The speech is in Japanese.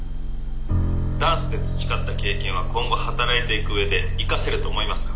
「ダンスで培った経験は今後働いていく上で生かせると思いますか？」。